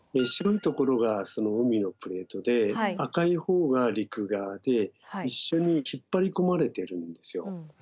白いところが海のプレートで赤い方が陸側で一緒に引っ張り込まれてるんですよ。